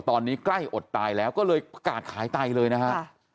ตอนนี้ใกล้อดตายแล้วก็เลยประกาศขายไตเลยนะฮะ